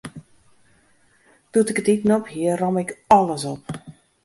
Doe't ik it iten op hie, romme ik alles op.